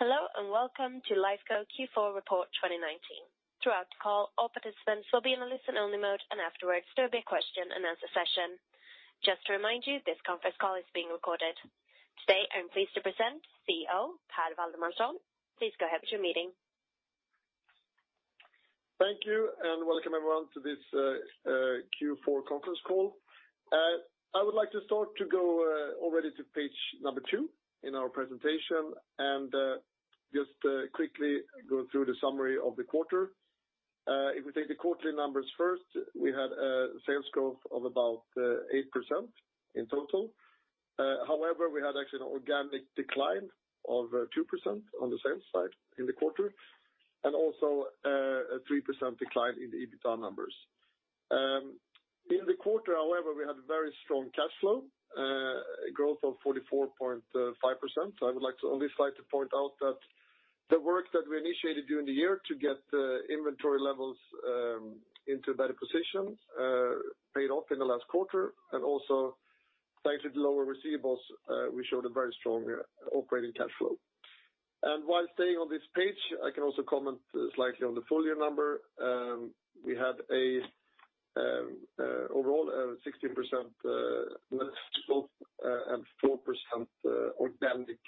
Hello, and welcome to Lifco Q4 Report 2019. Throughout the call, all participants will be in a listen-only mode, and afterwards there will be a question-and-answer session. Just to remind you, this conference call is being recorded. Today, I'm pleased to present CEO Per Waldemarson. Please go ahead with your meeting. Thank you. Welcome everyone to this Q4 conference call. I would like to start to go already to page number two in our presentation and just quickly go through the summary of the quarter. If we take the quarterly numbers first, we had a sales growth of about 8% in total. However, we had actually an organic decline of 2% on the sales side in the quarter, and also a 3% decline in the EBITDA numbers. In the quarter, however, we had very strong cash flow, a growth of 44.5%. I would like to also like to point out that the work that we initiated during the year to get the inventory levels into a better position paid off in the last quarter, and also thanks to the lower receivables, we showed a very strong operating cash flow. While staying on this page, I can also comment slightly on the full-year number. We had overall a 16% growth and 4% organic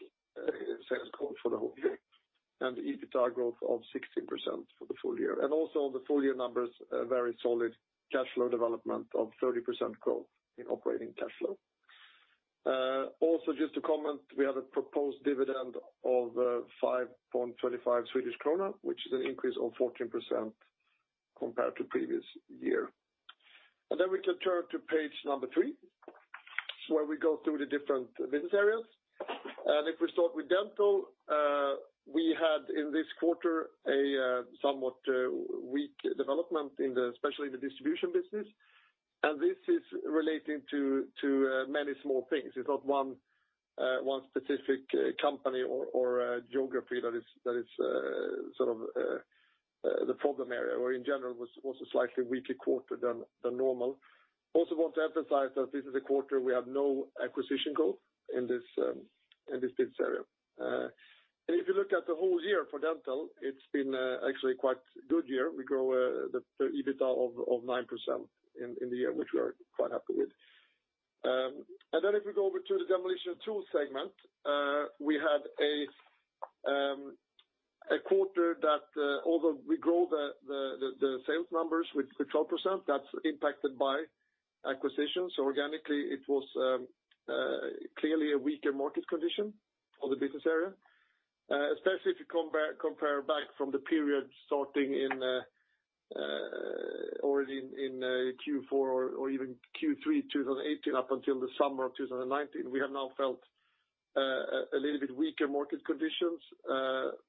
sales growth for the whole year, and EBITDA growth of 16% for the full year. Also on the full-year numbers, a very solid cash flow development of 30% growth in operating cash flow. Also just to comment, we have a proposed dividend of 5.25 Swedish krona, which is an increase of 14% compared to previous year. We can turn to page number three, where we go through the different business areas. If we start with Dental, we had in this quarter a somewhat weak development, especially in the distribution business. This is relating to many small things. It's not one specific company or geography that is the problem area, or in general was a slightly weaker quarter than normal. Want to emphasize that this is a quarter we have no acquisition goal in this business area. If you look at the whole year for Dental, it's been actually quite good year. We grow the EBITDA of 9% in the year, which we are quite happy with. If we go over to the Demolition & Tools segment, we had a quarter that although we grow the sales numbers with 12%, that's impacted by acquisitions. Organically it was clearly a weaker market condition for the business area, especially if you compare back from the period starting already in Q4 or even Q3 2018 up until the summer of 2019. We have now felt a little bit weaker market conditions,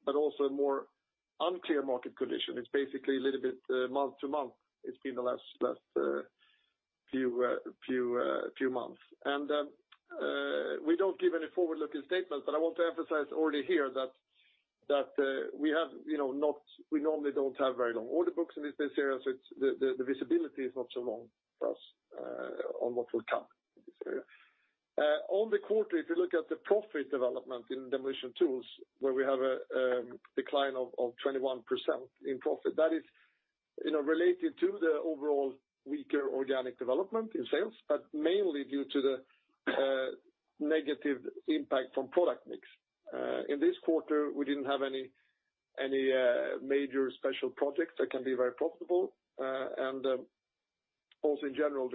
but also more unclear market condition. It's basically a little bit month to month. It's been the last few months. We don't give any forward-looking statements, but I want to emphasize already here that we normally don't have very long order books in this business area, so the visibility is not so long for us on what will come in this area. On the quarter, if you look at the profit development in Demolition & Tools, where we have a decline of 21% in profit, that is related to the overall weaker organic development in sales, but mainly due to the negative impact from product mix. In this quarter, we didn't have any major special projects that can be very profitable. Also in general,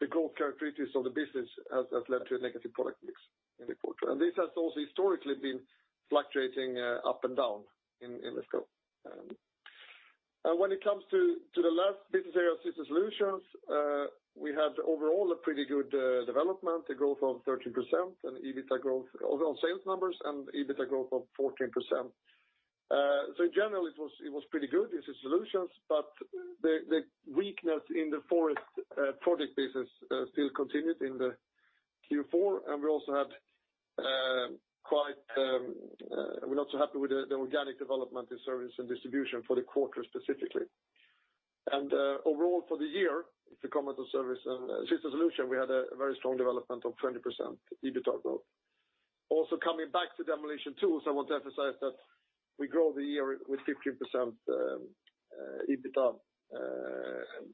the growth characteristics of the business has led to a negative product mix in the quarter. This has also historically been fluctuating up and down in the scope. When it comes to the last business area, Systems Solutions, we had overall a pretty good development, a growth of 13% and EBITDA growth on sales numbers and EBITDA growth of 14%. In general it was pretty good, the Systems Solutions, but the weakness in the forest project business still continued in the Q4, and we're not so happy with the organic development in service and distribution for the quarter specifically. Overall for the year, if we come on to service and Systems Solutions, we had a very strong development of 20% EBITDA growth. Also coming back to Demolition & Tools, I want to emphasize that we grow the year with 15% EBITDA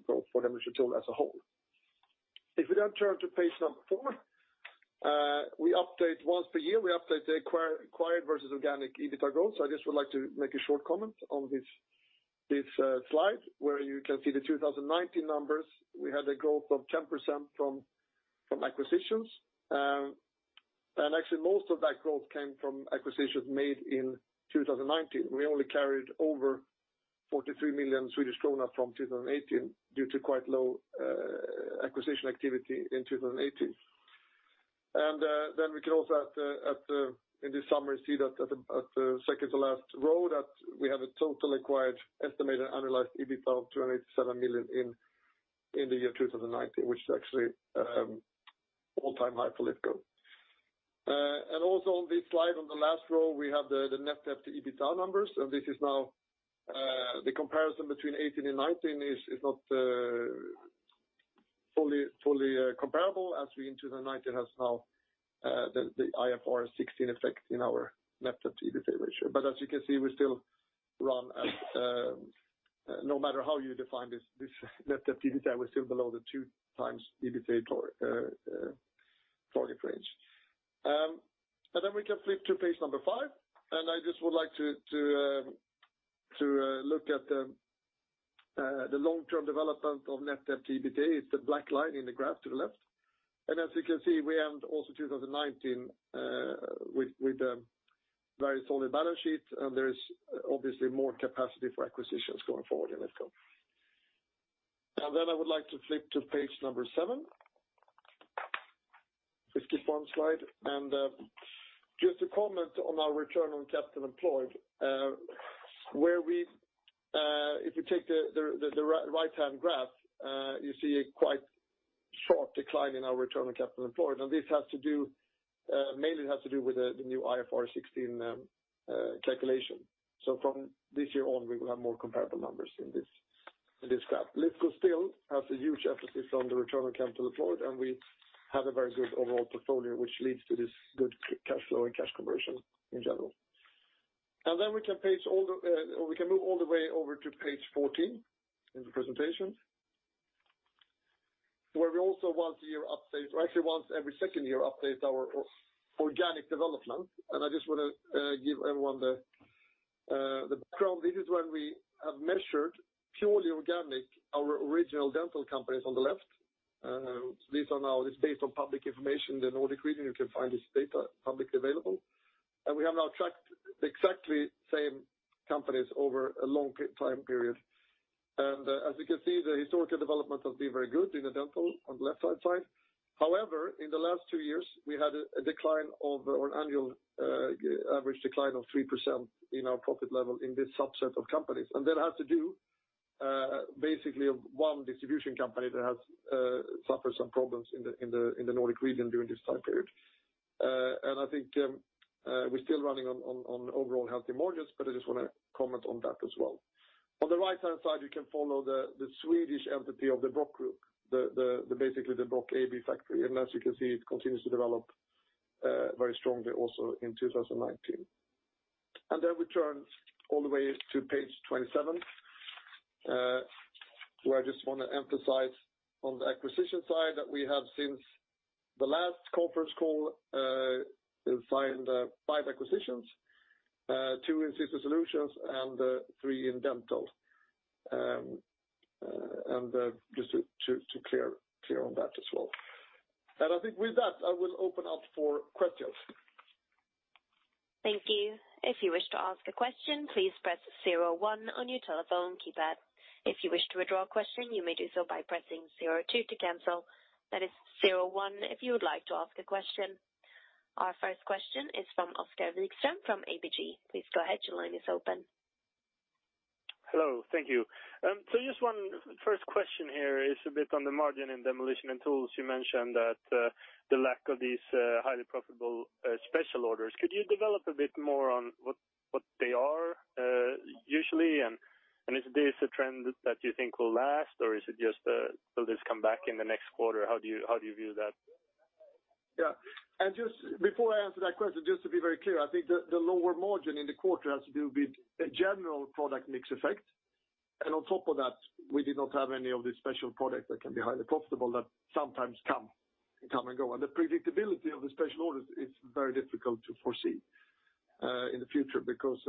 growth for Demolition & Tools as a whole. If we then turn to page number four, we update once per year. We update the acquired versus organic EBITDA growth. I just would like to make a short comment on this slide where you can see the 2019 numbers. We had a growth of 10% from acquisitions. Actually most of that growth came from acquisitions made in 2019. We only carried over 43 million Swedish krona from 2018 due to quite low acquisition activity in 2018. We can also in this summary see that at the second to last row that we have a total acquired estimated annualized EBITDA of 287 million in the year 2019, which is actually all-time high for Lifco. On this slide on the last row, we have the net debt to EBITDA numbers, and this is now the comparison between 2018 and 2019 is not fully comparable as we in 2019 have now the IFRS 16 effect in our net debt to EBITDA ratio. As you can see, we still run at, no matter how you define this net debt to EBITDA, we're still below the 2x EBITDA target range. We can flip to page number five, and I just would like to look at the long-term development of net debt to EBITDA. It's the black line in the graph to the left. As you can see, we end also 2019 with a very solid balance sheet, and there is obviously more capacity for acquisitions going forward in Lifco. I would like to flip to page number seven. Please skip one slide. Just to comment on our return on capital employed, if you take the right-hand graph, you see a quite sharp decline in our return on capital employed, and mainly it has to do with the new IFRS 16 calculation. From this year on, we will have more comparable numbers in this graph. Lifco still has a huge emphasis on the return on capital employed, and we have a very good overall portfolio, which leads to this good cash flow and cash conversion in general. We can move all the way over to page 14 in the presentation, where we also once a year update, or actually once every second year update our organic development. I just want to give everyone the background. This is when we have measured purely organic, our original dental companies on the left. This is based on public information. The Nordic region, you can find this data publicly available. We have now tracked exactly the same companies over a long time period. As you can see, the historical development has been very good in the dental on the left-hand side. However, in the last two years, we had an annual average decline of 3% in our profit level in this subset of companies. That has to do basically with one distribution company that has suffered some problems in the Nordic region during this time period. I think we're still running on overall healthy margins, but I just want to comment on that as well. On the right-hand side, you can follow the Swedish entity of the Brokk Group, basically the Brokk AB factory, and as you can see, it continues to develop very strongly also in 2019. We turn all the way to page 27, where I just want to emphasize on the acquisition side that we have since the last conference call signed five acquisitions, two in Systems Solutions and three in Dental. Just to clear on that as well. I think with that, I will open up for questions. Thank you. If you wish to ask a question, please press zero one on your telephone keypad. If you wish to withdraw a question, you may do so by pressing zero two to cancel. That is 01 if you would like to ask a question. Our first question is from Oskar Vikström from ABG. Please go ahead. Your line is open. Hello. Thank you. Just one first question here is a bit on the margin in Demolition & Tools. You mentioned that the lack of these highly profitable special orders. Could you develop a bit more on what they are usually, and is this a trend that you think will last, or will this come back in the next quarter? How do you view that? Yeah. Just before I answer that question, just to be very clear, I think the lower margin in the quarter has to do with a general product mix effect. On top of that, we did not have any of the special products that can be highly profitable that sometimes come and go. The predictability of the special orders is very difficult to foresee in the future because,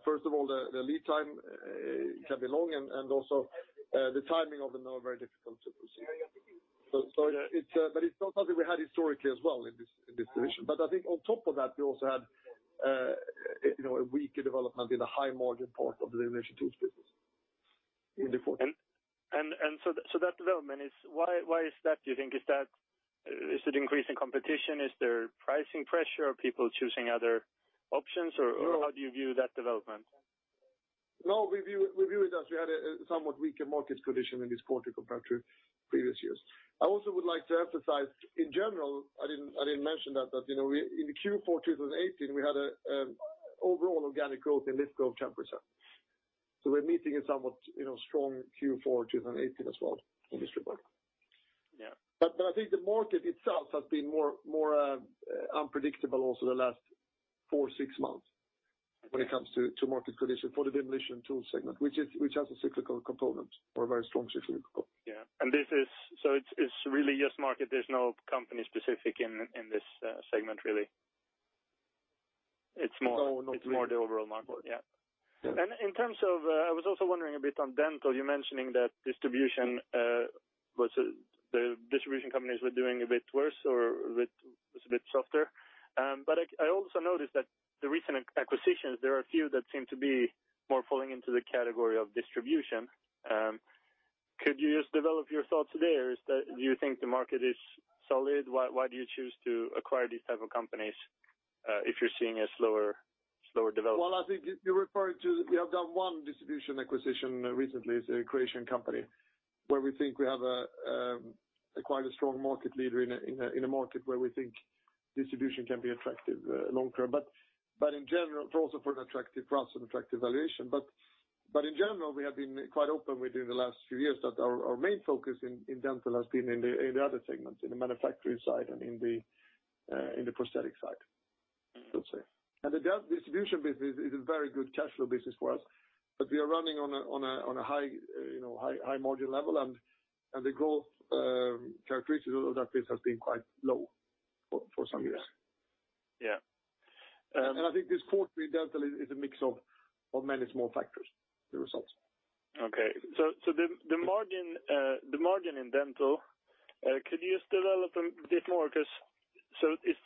first of all, the lead time can be long and also the timing of them are very difficult to foresee. It's not something we had historically as well in this division. I think on top of that, we also had a weaker development in the high margin part of the Demolition & Tools business in Q4. That development, why is that, do you think? Is it increase in competition? Is there pricing pressure? Are people choosing other options, or how do you view that development? We view it as we had a somewhat weaker market condition in this quarter compared to previous years. I also would like to emphasize, in general, I didn't mention that in Q4 2018, we had a overall organic growth in Lifco of 10%. We're meeting a somewhat strong Q4 2018 as well in this report. Yeah. I think the market itself has been more unpredictable also the last four, six months when it comes to market condition for the Demolition & Tools segment, which has a cyclical component or a very strong cyclical component. Yeah. It's really just market. There's no company specific in this segment, really? No, not really. it's more the overall market. Yeah. Yeah. I was also wondering a bit on dental, you mentioning that the distribution companies were doing a bit worse or was a bit softer. I also noticed that the recent acquisitions, there are a few that seem to be more falling into the category of distribution. Could you just develop your thoughts there? Do you think the market is solid? Why do you choose to acquire these type of companies if you're seeing a slower development? Well, I think you're referring to, we have done one distribution acquisition recently. It's a Croatian company where we think we have quite a strong market leader in a market where we think distribution can be attractive long term, also for an attractive price and attractive valuation. In general, we have been quite open within the last few years that our main focus in Dental has been in the other segments, in the manufacturing side and in the prosthetic side, I would say. The distribution business is a very good cash flow business for us, but we are running on a high margin level, and the growth characteristics of that business has been quite low for some years. Yeah. I think this quarter in dental is a mix of many small factors, the results. Okay. The margin in dental, could you develop a bit more? If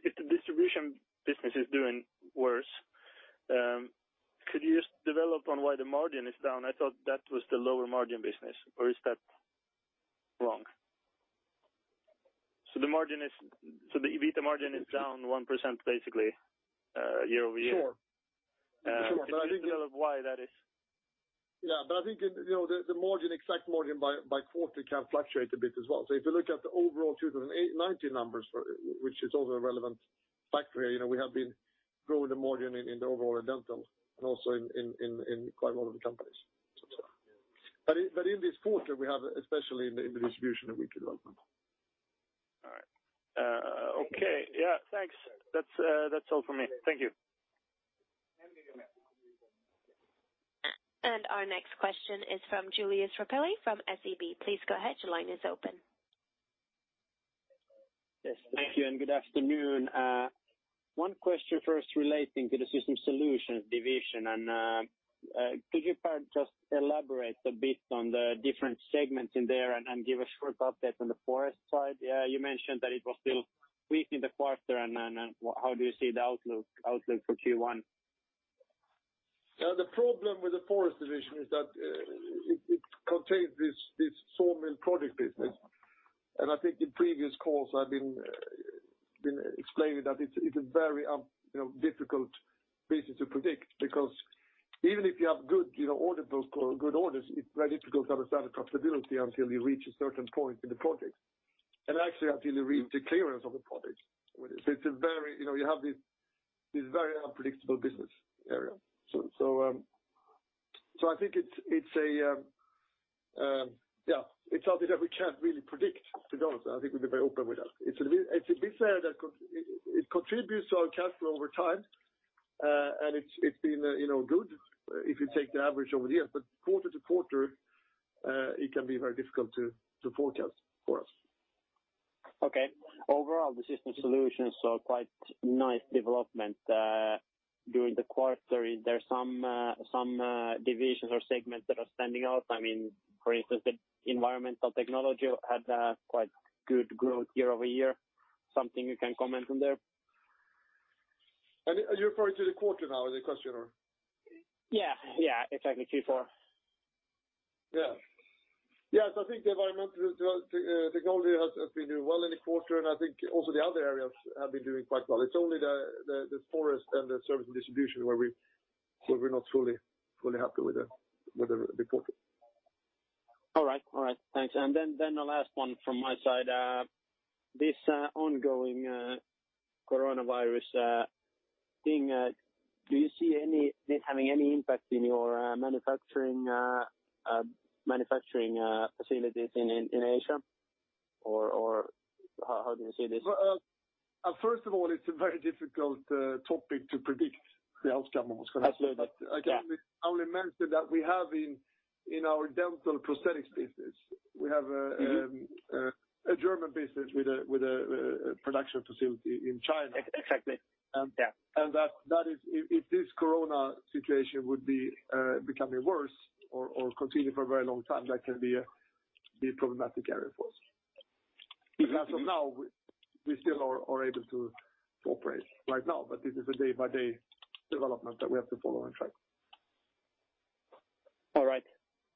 the distribution business is doing worse, could you just develop on why the margin is down? I thought that was the lower margin business, or is that wrong? The EBITDA margin is down 1% basically year-over-year. Sure. Could you develop why that is? Yeah. I think the exact margin by quarter can fluctuate a bit as well. If you look at the overall 2019 numbers, which is also a relevant factor, we have been growing the margin in the overall dental and also in quite a lot of the companies itself. In this quarter, we have, especially in the distribution, a weak development. All right. Okay. Yeah, thanks. That's all for me. Thank you. Our next question is from Julius Rapeli from SEB. Please go ahead. Your line is open. Yes, thank you, and good afternoon. One question first relating to the Systems Solutions division, could you perhaps just elaborate a bit on the different segments in there and give a short update on the forest side? You mentioned that it was still weak in the quarter, how do you see the outlook for Q1? The problem with the forest division is that it contains this sawmill project business. I think in previous calls, I've been explaining that it's a very difficult business to predict because even if you have good order book or good orders, it's very difficult to understand the profitability until you reach a certain point in the project, and actually until you reach the clearance of the project. You have this very unpredictable business area. I think it's something that we can't really predict, to be honest. I think we've been very open with that. It's a bit fair that it contributes to our cash flow over time, and it's been good if you take the average over the years. Quarter-to-quarter, it can be very difficult to forecast for us. Okay. Overall, the Systems Solutions saw quite nice development during the quarter. There is some divisions or segments that are standing out. For instance, the environmental technology had a quite good growth year-over-year. Something you can comment on there? Are you referring to the quarter now with the question? Yeah. Exactly, Q4. Yeah. I think the environmental technology has been doing well in the quarter. I think also the other areas have been doing quite well. It's only the forest and the service and distribution where we're not fully happy with the quarter. All right. Thanks. The last one from my side. This ongoing coronavirus thing, do you see this having any impact in your manufacturing facilities in Asia, or how do you see this? First of all, it's a very difficult topic to predict the outcome of what's going to happen. Absolutely, yeah. I can only mention that we have in our dental prosthetics business, we have a German business with a production facility in China. Exactly. Yeah. That if this corona situation would be becoming worse or continue for a very long time, that can be a problematic area for us. As of now, we still are able to operate right now, but this is a day-by-day development that we have to follow and track. All right.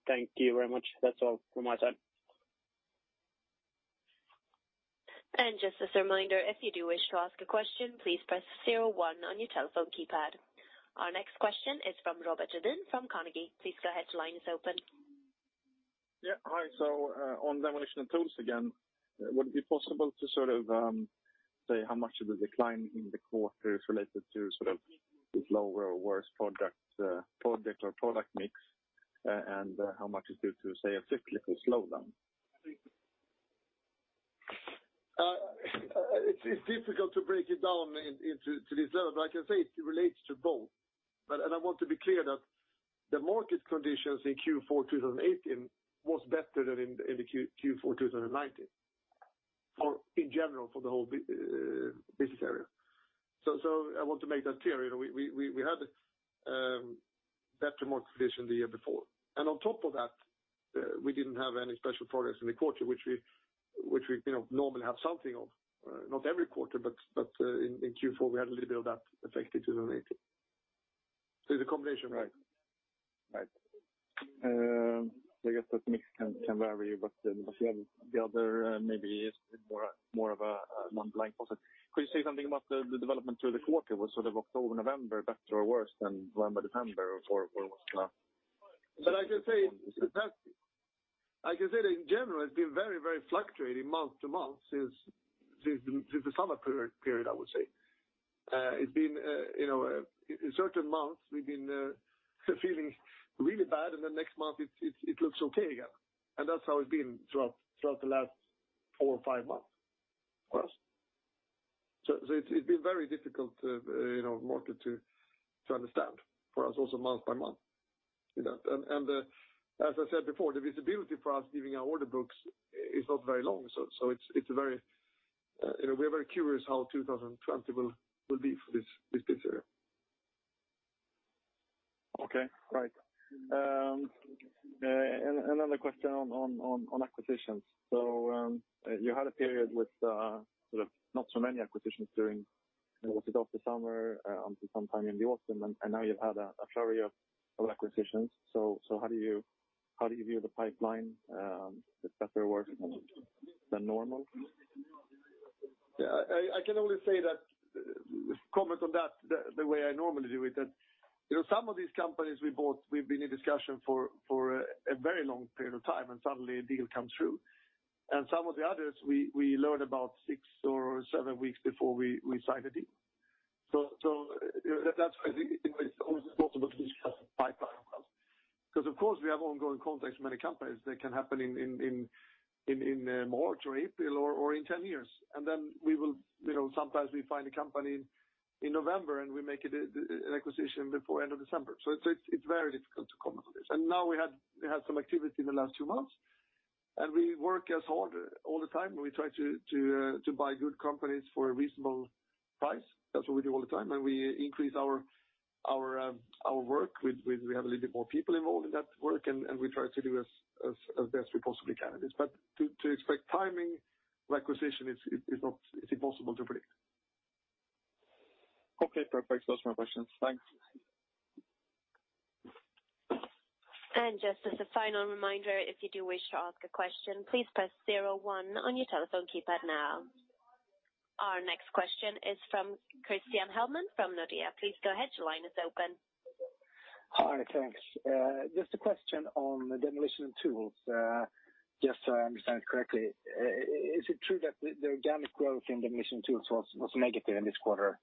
Thank you very much. That's all from my side. Just as a reminder, if you do wish to ask a question, please press zero one on your telephone keypad. Our next question is from Robert Redin from Carnegie. Please go ahead, your line is open. Yeah, hi. On Demolition & Tools, again, would it be possible to say how much of the decline in the quarter is related to this lower or worse project or product mix, and how much is due to, say, a cyclical slowdown? It's difficult to break it down into this level, but I can say it relates to both. I want to be clear that the market conditions in Q4 2018 was better than in the Q4 2019, in general, for the whole business area. I want to make that clear. We had a better market position the year before. On top of that, we didn't have any special products in the quarter, which we normally have something of. Not every quarter, but in Q4, we had a little bit of that effect in 2018. It's a combination. Right. I guess that mix can vary, but the other maybe is more of a one-time deposit. Could you say something about the development through the quarter? Was October, November better or worse than November, December, or what was going on? I can say that in general, it's been very fluctuating month-to-month since the summer period, I would say. In certain months we've been feeling really bad, and the next month it looks okay again. That's how it's been throughout the last four or five months for us. It's been very difficult market to understand for us also month-by-month. As I said before, the visibility for us giving our order books is not very long. We're very curious how 2020 will be for this business area. Okay. Right. Another question on acquisitions. You had a period with not so many acquisitions during, was it after summer, until sometime in the autumn, and now you've had a flurry of acquisitions. How do you view the pipeline, if that's a word, than normal? I can only comment on that the way I normally do it, that some of these companies we bought, we’ve been in discussion for a very long period of time, and suddenly a deal comes through. Some of the others, we learn about six or seven weeks before we sign a deal. That’s why I think it’s almost impossible to discuss a pipeline because, of course, we have ongoing contacts with many companies that can happen in March or April or in 10 years. Sometimes we find a company in November, and we make an acquisition before end of December. It’s very difficult to comment on this. Now we had some activity in the last two months, and we work as hard all the time, and we try to buy good companies for a reasonable price. That's what we do all the time, and we increase our work. We have a little bit more people involved in that work, and we try to do as best we possibly can in this. To expect timing of acquisition, it's impossible to predict. Okay, perfect. Those are my questions. Thanks. Just as a final reminder, if you do wish to ask a question, please press zero one on your telephone keypad now. Our next question is from Christian Hellman from Nordea. Please go ahead, your line is open. Hi. Thanks. Just a question on the Demolition & Tools. Just so I understand correctly, is it true that the organic growth in Demolition & Tools was negative in this quarter?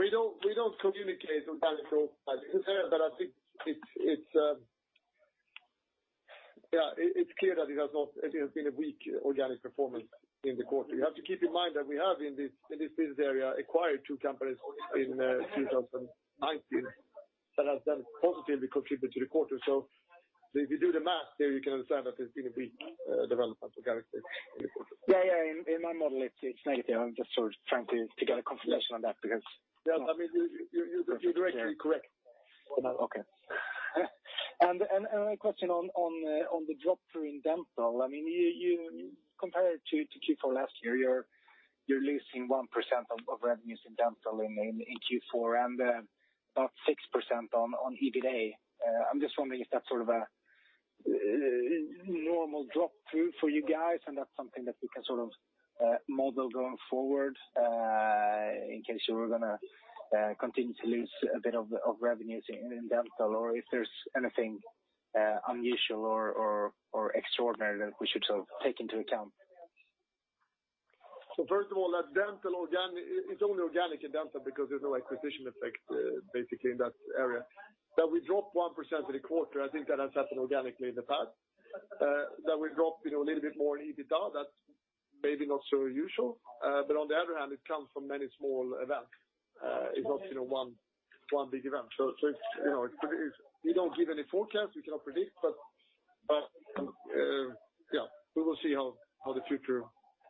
We don't communicate organic growth like this. I think it's clear that it has been a weak organic performance in the quarter. You have to keep in mind that we have, in this business area, acquired two companies in 2019 that have positively contributed to the quarter. If you do the math there, you can observe that there's been a weak development organically in the quarter. Yeah. In my model it's negative. I'm just sort of trying to get a confirmation on that. Yeah. You're directly correct. Okay. Another question on the drop through in Dental. Compared to Q4 last year, you're losing 1% of revenues in Dental in Q4 and about 6% on EBITA. I'm just wondering if that's sort of a normal drop through for you guys, and that's something that we can sort of model going forward, in case you were going to continue to lose a bit of revenues in Dental, or if there's anything unusual or extraordinary that we should take into account. First of all, it's only organic in Dental because there's no acquisition effect basically in that area. That we dropped 1% in the quarter, I think that has happened organically in the past. That we dropped a little bit more in EBITDA, that's maybe not so usual. On the other hand, it comes from many small events. It's not one big event. We don't give any forecast, we cannot predict. We will see how the future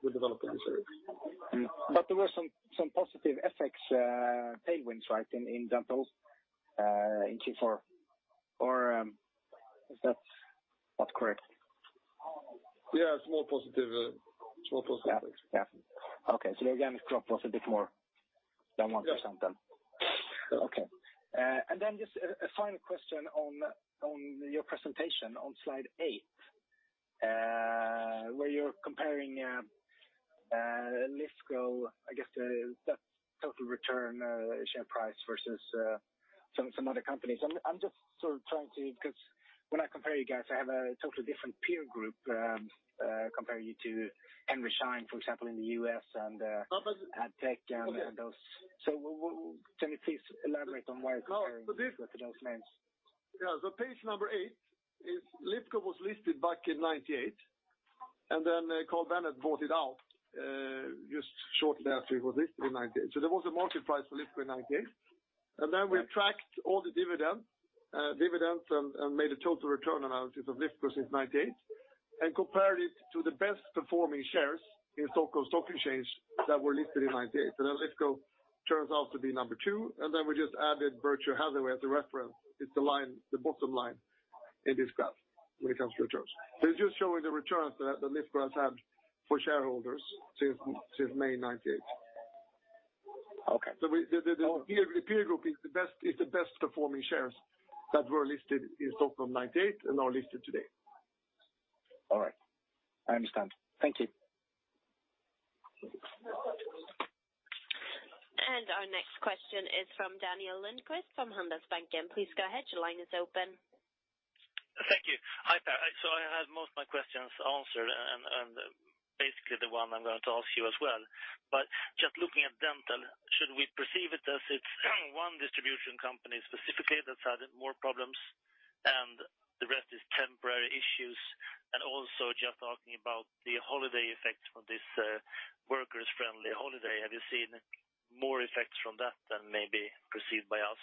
will develop in this area. There were some positive FX tailwinds, right, in Dental in Q4, or is that not correct? We have small positive effects. Yeah. Okay. The organic drop was a bit more than 1% then. Yes. Okay. Just a final question on your presentation on slide eight, where you're comparing Lifco, I guess the total return share price versus some other companies. When I compare you guys, I have a totally different peer group comparing you to Henry Schein, for example, in the U.S. and Addtech and those. Can you please elaborate on why you're comparing? No, but this. to those names? Yeah. Page number eight, Lifco was listed back in 1998. Carl Bennet bought it out just shortly after it was listed in 1998. There was a market price for Lifco in 1998. We tracked all the dividends and made a total return analysis of Lifco since 1998 and compared it to the best performing shares in Stockholm Stock Exchange that were listed in 1998. Lifco turns out to be number two. We just added Berkshire Hathaway as a reference. It's the bottom line in this graph when it comes to returns. It's just showing the returns that Lifco has had for shareholders since May 1998. Okay. The peer group is the best performing shares that were listed in Stockholm 1998 and are listed today. All right. I understand. Thank you. Our next question is from Daniel Lindkvist from Handelsbanken. Please go ahead. Your line is open. Thank you. Hi, Per. I had most of my questions answered, and basically the one I'm going to ask you as well. Just looking at dental, should we perceive it as it's one distribution company specifically that's having more problems, and the rest is temporary issues? Also just talking about the holiday effect from this workers' friendly holiday, have you seen more effects from that than may be perceived by us?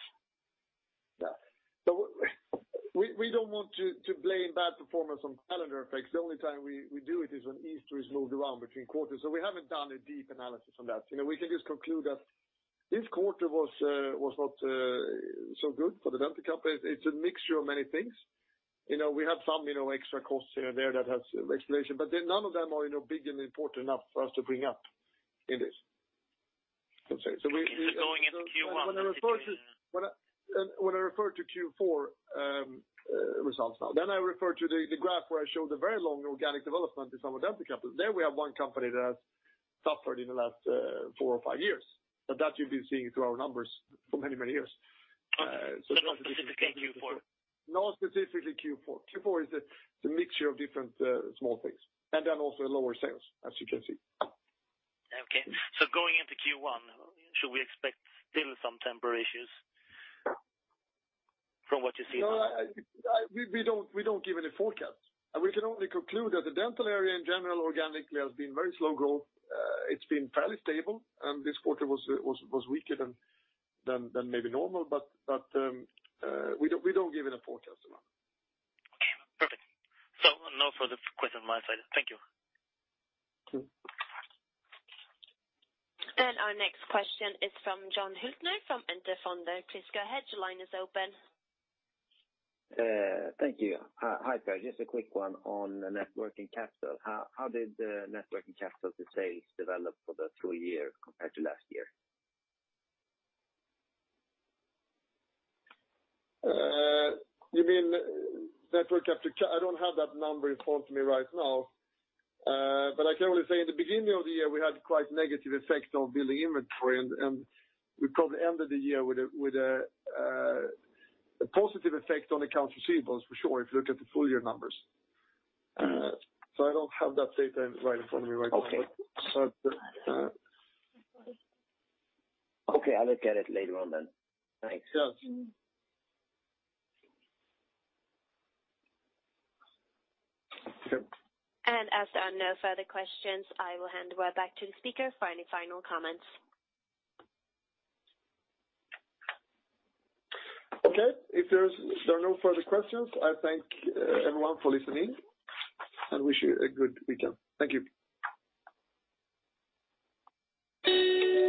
We don't want to blame bad performance on calendar effects. The only time we do it is when Easter is moved around between quarters. We haven't done a deep analysis on that. We can just conclude that this quarter was not so good for the dental company. It's a mixture of many things. We have some extra costs here and there that has explanation. None of them are big and important enough for us to bring up in this. Going into Q1. When I refer to Q4 results now, then I refer to the graph where I showed a very long organic development in some of the dental companies. There we have one company that has suffered in the last four or five years. That you've been seeing through our numbers for many, many years. Not specifically Q4? Not specifically Q4. Q4 is the mixture of different small things. Also lower sales, as you can see. Okay. Going into Q1, should we expect still some temporary issues from what you see now? We don't give any forecast. We can only conclude that the dental area in general organically has been very slow growth. It's been fairly stable, and this quarter was weaker than maybe normal. We don't give any forecast. Okay. Perfect. No further questions on my side. Thank you. Our next question is from Jon Hyltner from Enter Fonder. Please go ahead. Your line is open. Thank you. Hi, Per. Just a quick one on net working capital. How did the net working capital to sales develop for the third quarter compared to last year? You mean network capital? I don't have that number in front of me right now. I can only say in the beginning of the year, we had quite negative effects on building inventory, and we probably ended the year with a positive effect on accounts receivables for sure, if you look at the full-year numbers. I don't have that data in front me right now. Okay. Okay, I'll look at it later on then. Thanks. Sure. As there are no further questions, I will hand it right back to the speaker for any final comments. Okay. If there are no further questions, I thank everyone for listening and wish you a good weekend. Thank you.